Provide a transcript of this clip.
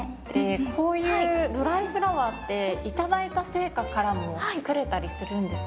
こういうドライフラワーって頂いた生花からも作れたりするんですか？